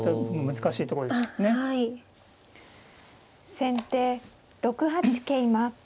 先手６八桂馬。